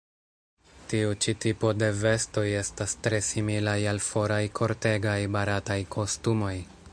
Tiu ĉi tipo de vestoj estas tre similaj al foraj kortegaj barataj kostumoj.